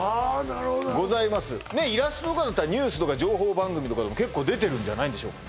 なるほどなるほどイラストとかだったらニュースとか情報番組とかでも結構出てるんじゃないんでしょうか